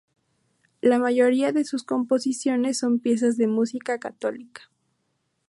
La mayoría de sus composiciones son piezas de música católica.